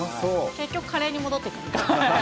結局カレーに戻っていく。